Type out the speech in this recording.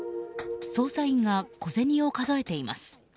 捜査員が小銭を数えています。